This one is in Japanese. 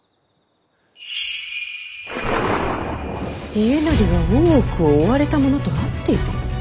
家斉が大奥を追われた者と会っている？